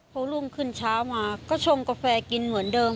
พอรุ่งขึ้นเช้ามาก็ชงกาแฟกินเหมือนเดิม